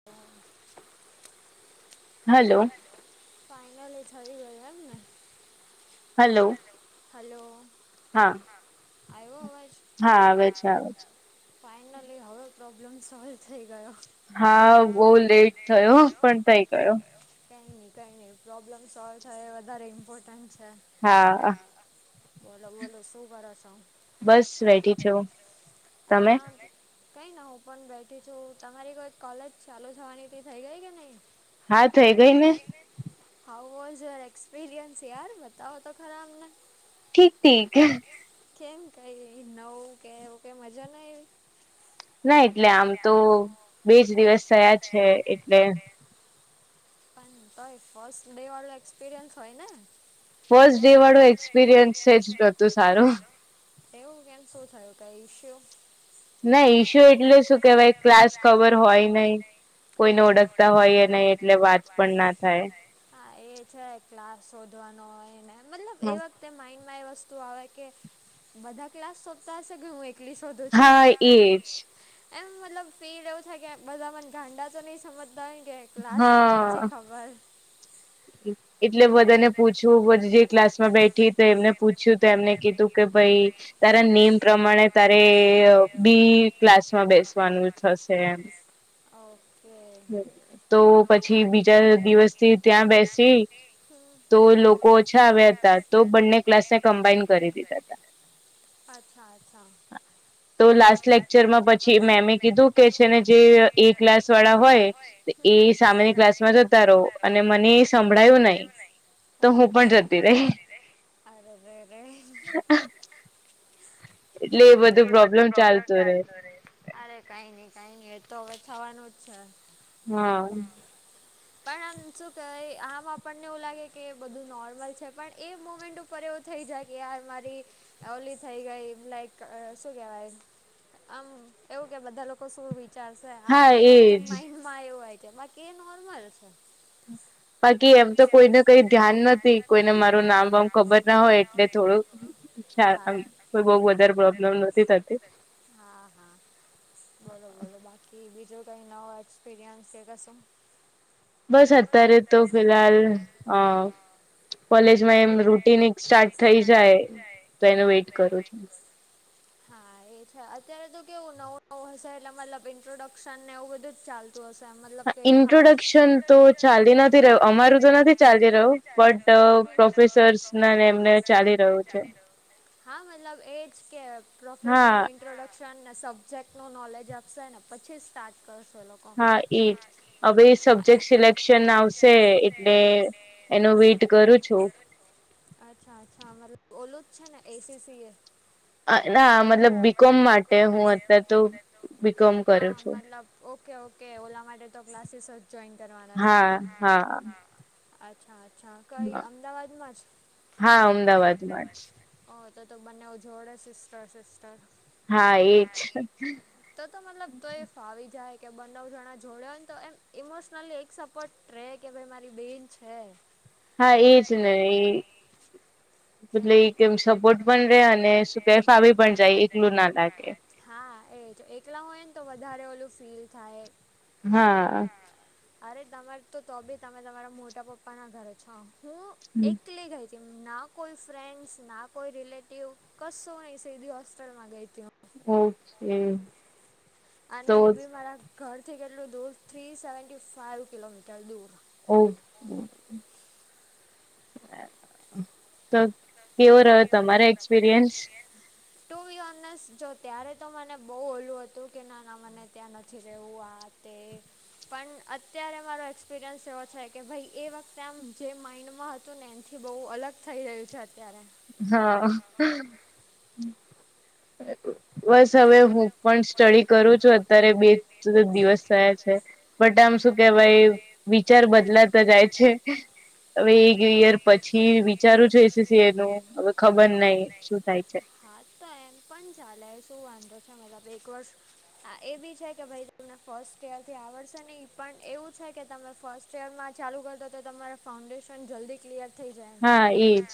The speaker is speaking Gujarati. હમ. હલો. ફાઇનલી થઈ ગયું એમ ને. હલો હલો હા આયો અવાજ. હા આવે છે ફાઈનલી હવે પ્રોબ્લેમ સોલ્વ થઈ ગયો. હા બહુ લેટ થયો પણ થઈ ગયો. કાઈ નહી કાઈ નહી પ્રોબ્લેમ સોલ્વ થાયો એ વધારે ઇમ્પોર્ટન્ટ છે. હા બોલો બોલો શું કરો છો? બસ બેઠી છું તમે. આ કંઈ ના હું પણ બેઠી છું તમારી કોઈ કોલેજ ચાલુ થવાની થઈ ગઈ કે નહીં. હા થઈ ગઈ ને હાવ આર ઈજ એક્સપિરિયન્સ યાર બતાવ તો. ખરા અમને ઠીક ઠીક કેમ કઈ નવું કે એવું કે મજા ના એવી ના એટલે આમ તો બેજ દિવસ થયા છે એટલે પણ તોય ફર્સ્ટ ડે વાળો એક્સપિરિયન્સ હોય ને. ફર્સ્ટ ડે વાળો એક્સપિરિયન્સ છે જ નહોતું સારું. એવું કેમ શું થયું કઈ ઇસ્યુ. ના ઈસ્યુ એટલે શું કેવાય ક્લાસ ખબર હોય નહિ કોઈને ઓળખતા હોય નહી એટલે વાત પણ ના થાય હા એ છે ક્લાસ શોધવાનો હોયને મતલબ એવા તે માઇન્ડ માં એ વસ્તુ આવે કે બધા ક્લાસ સોધતા હશે કે હું એકલી સોધુ છું. હા એજ એમ મતલબ ફીલ એવું થાય કે બધા મને ગાંડા તો નહીં સમજતા હોયને કે ક્લાસ પણ નથી હા. ખબર. એટલે બધા ને પૂછ્યુ પછી જે ક્લાસ માં બેઠી તે એમને પૂછ્યું તો એમને કીધું કે ભઈ તારા નેમ પ્રમાણે તારે બી ક્લાસમાં બેસ પણ થશે એમ. ઓફ. હમ. તો પછી બીજા દિવસથી ત્યાં બેસી હમ્મ તો લોકો ઓછા આવ્યા હતા તો બંને ક્લાસ ને કમ્બાાઈન કરી દીધા હતા. અચ્છા અચ્છા. તો લાસ્ટ લેક્ચર માં પછી મેમે કીધું કે છેને જે એ ક્લાસ વાળા હોય તો એ. એ સામેની ક્લાસ માં જતા રહો અને મને સંભળાયું નહી. તો હું પણ જતી રહી અરે રે રે રે. હા. એટલે એ બધું પ્રોબ્લેમ ચાલતું રહેે. અરે કાઈ નઈ કાઈ નઈ એ તો હવે થવાનું જ છે. હા. પણ આમ શું કેહેવાય આમ આપણને એવું લાગે કે બધું નોર્મલ છે પણ એ મુમેન્ટ ઉપ ઉપર એવું થઇ જાય કે યાર મારી ઓલી થઈ ગઈ લાઈક શું કેવાય. આમ એવું કે બધા લોકો શું વિચારશ શે હા તે વખતે માઇન્ડમાં આવું હોય છે એમાં કે નોર્મલ છે. બાકી એમ તો કોઈને કઈ ધ્યાન નથી કોઈને મારું નામ વામ ખબર ના હોય એટલે થોડું. ચાર આમ થાય કોઈ બહું વધારે પ્રોબ્લેમ નથી થતી. હા-હા બોલો બોલો બાકી બીજું કઈ નવું એક્સપિરિયન્સ કે કશું. બસ અત્યારે તો ફિહાલ અ. કોલેજમાં એમ રૂટીન એક સ્ટાર્ટ થઇ જાય તો એનુ વેટ કરું છું. હા એ છે અત્યારે તો કેવું નવું-નવું હશે એટલે મતલબ ઇન્ટ્રોડક્શન ને એવું બધું જ ચાલતું. તુ હશે મતલબ. હા કે ખાસ ઇન્ટ્રોડક્શન તો ચાલી નથી રહ્યું અમારું તો નથી ચાલી રહ્યું બટ. પ્રોફેસર્સ ને એમને ચાલી રહ્યું છે. હા મતલબ એજ કે પ્રોફેસનુ હા ઈન ઇન્ટ્રોડક્શન ને સબ્જેક્ટ નું નોલેજ આપશે ને પછી સ્ટાર્ટ કરશે એ લોકો. હા એજ. હવે સબ્જેક્ટ સિલેક્શન આવશે એટલે એનું વેટ કરું છું. અચ્છા-અચ્છા મતલબ ઓલું જ છે ને એસીસી એ. અ ના મતલબ બીકોમ માટે હું અત્યારે તો બીકોમ કર છું. ઓકે-ઓકે ઓલા માટે તો ક્લાસીસ જ. જોઈન કરવા. હા-હા. અચ્છા-અચ્છા કઈ અમદાવાદમાં જ હા અમદાવાદમાં અમદાવાદ. જ ઓ તો તો બંને ઉ જોડે સિસ્ટર-સિસ્ટર. હા એજ. તો-તો મતલબ તો એ ફાવી જાય કે બંને જણા જોડે હોને તો એમ ઇમોશનલી એક સપોર્ટ. રેય કે ભાઈ મારી બેન છે. હા એજ ને ઇ. એટલે એક એમ સપોર્ટ પણ રે અને શું કે ફાવી પણ જાય એકલું ના લાગે. હા એજ એકલા હોય ને તો વધારે ઓલું ફીલ થાય. હા. અરે તમારે તો તો ભી તમે તમારા મોટા પપ્પા ના ઘરે છો. હું એકલી ગઈ તી નાવ. કોઈ ફ્રેન્ડસ ના કોઈ રિલેટિવ કશું નહી સીધી હોસ્ટેલમાં ગઈ હું. ઓકે. અને તો એ બી મારા ઘરથી કેટલું દૂર થ્રી સેવન્ટી ફાઈવ કિલોમીટર દૂર. ઓકે. તો કેવો રહ્યો તમારા એક્સપિરિયન્સ. તુ બી ઓનેસ્ટ જો ત્યારે તો મને બહુ ઓલું હતું કે ના ના મને ત્યાં નથી રહેવું આ તે. પણ અત્યારે મારો એક્સપિરિયન્સ એવો છે કે ભાઈ એ વખતે આમ જે માઇન્ડમાં હતું હતું ને એનથી બહુ અલગ થઈ રહ્યું છે અત્યારે. હા. બસ હવે હું પણ સ્ટડી કરું છું અત્યારે બે દિવસ થયા છે. બટ આમ શું કેવાય વિચાર બદલાતા જાય છે. હવે એક યર પછી વિચારું છું એસીસી એ નું. હવે ખબર નઈ શું થાય છે હા તો એમ પણ ચાલે જ. શું વાંદા છે મેલા બે કોર્ષ. હા એ બી છે કે ભાઈ તમને ફર્સ્ટ યરથી આવડશે નહી પણ એવું છે કે તમે ફર્સ્ટ શેરમાં ચાલુ કરતો હો તો તમારા ફાઉન્ડેશન જલ્દી ક્લિયર થઈ જાય. એમ હા એજ.